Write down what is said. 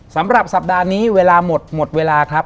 สำหรับสัปดาห์นี้เวลาหมดหมดเวลาครับ